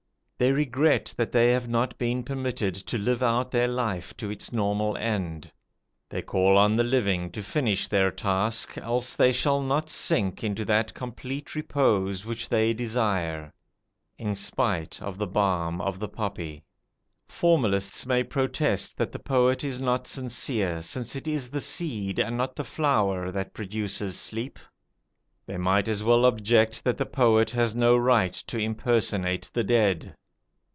They regret that they have not been permitted to live out their life to its normal end. They call on the living to finish their task, else they shall not sink into that complete repose which they desire, in spite of the balm of the poppy. Formalists may protest that the poet is not sincere, since it is the seed and not the flower that produces sleep. They might as well object that the poet has no right to impersonate the dead.